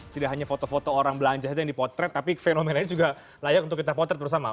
tidak hanya foto foto orang belanja saja yang dipotret tapi fenomenanya juga layak untuk kita potret bersama